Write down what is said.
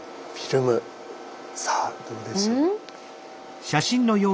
さあどうでしょう。